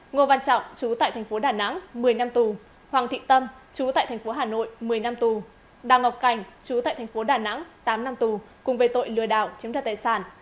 ngô văn trọng chú tại tp đà nẵng một mươi năm tù hoàng thị tâm chú tại tp hà nội một mươi năm tù đào ngọc cảnh chú tại tp đà nẵng tám năm tù cùng về tội lừa đảo chiếm đoạt tài sản